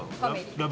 『ラブ！！